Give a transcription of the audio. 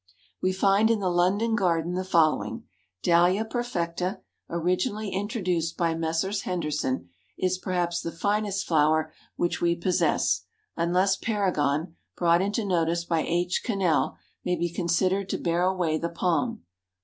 We find in the London Garden the following: "Dahlia perfecta, originally introduced by Messrs. Henderson, is perhaps the finest flower which we possess, unless Paragon, brought into notice by H. Cannell, may be considered to bear away the palm.